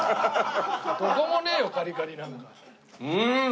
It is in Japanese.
どこもねえよカリカリなんか。